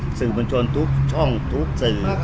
ขอบคุณสื่อบรรชนทุกช่องทุกสื่อ